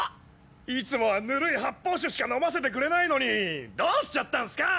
いつもはぬるい発泡酒しか飲ませてくれないのにどうしちゃったんすか？